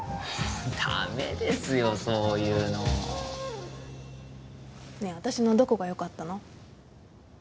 ダメですよそういうのねぇ私のどこがよかったの？